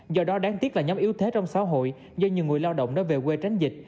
do đó đáng tiếc là nhóm yếu thế trong xã hội do nhiều người lao động đã về quê tránh dịch